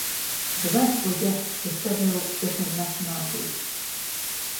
The rest were guests of several different nationalities.